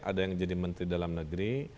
ada yang jadi menteri dalam negeri